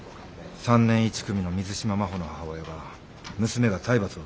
３年１組の水島真帆の母親が娘が体罰を受けたって。